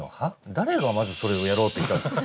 誰がまずそれをやろうっていったんすか？